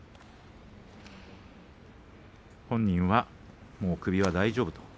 本人は首は大丈夫と。